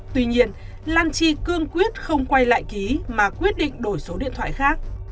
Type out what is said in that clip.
tuy nhiên lan chi cương quyết không quay lại ký mà quyết định đổi số điện thoại khác